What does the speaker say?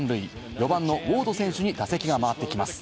４番のウォード選手に打席が回ってきます。